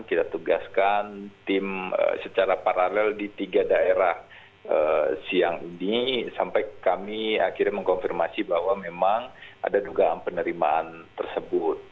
kita tugaskan tim secara paralel di tiga daerah siang ini sampai kami akhirnya mengkonfirmasi bahwa memang ada dugaan penerimaan tersebut